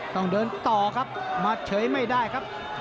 ต่อครับหมัดเฉยไม่ได้ครับ